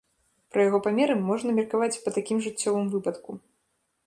Пра яго памеры можна меркаваць па такім жыццёвым выпадку.